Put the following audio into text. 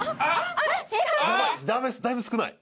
だいぶ少ない。